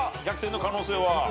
逆転の可能性は。